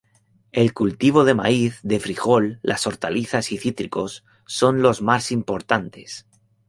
El cultivo de maíz, de frijol, las hortalizas y cítricos son los más importantes.